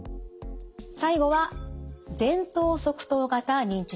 最後は前頭側頭型認知症です。